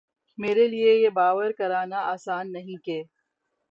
میرے لیے یہ باور کرنا آسان نہیں کہ